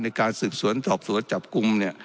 ในการสืบสวนสอบสวนจับกลุ่มเนี่ย